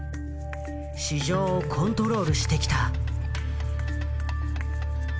市場をコントロールしてきた。